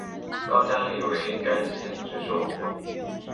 高加力为该县之首府。